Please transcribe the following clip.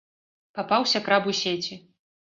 Папаўся краб у сеці!